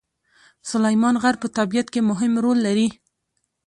سلیمان غر په طبیعت کې مهم رول لري.